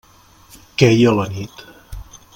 Queia la nit.